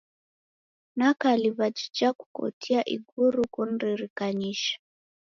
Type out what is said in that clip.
Nikaliw'a jija kukotia iguri kuniririkanyishe.